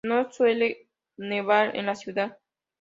No suele nevar en la ciudad.